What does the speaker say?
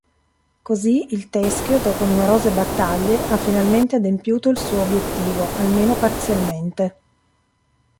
Così il Teschio, dopo numerose battaglie, ha finalmente adempiuto il suo obiettivo, almeno parzialmente.